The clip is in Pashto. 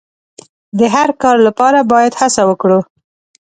د هر کار لپاره باید هڅه وکړو.